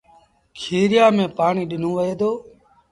کيريآݩ ميݩ پآڻي ڏنو وهي دو